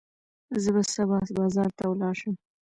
زه به سبا بازار ته ولاړ شم.